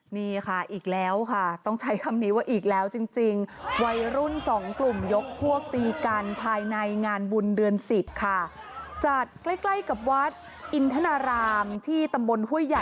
นี่ค่ะอีกแล้วค่ะต้องใช้คำนี้ว่าอีกแล้วจริงวัยรุ่นสองกลุ่มยกพวกตีกันภายในงานบุญเดือน๑๐ค่ะจัดใกล้ใกล้กับวัดอินทนารามที่ตำบลห้วยใหญ่